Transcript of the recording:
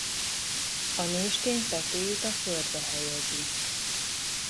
A nőstény petéit a földbe helyezi.